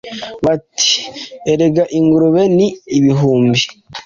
Bati: "Erega ingurube ni ibihumbi!